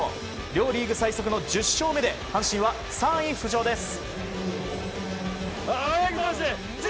両リーグ最速の１０勝目で阪神は３位浮上です。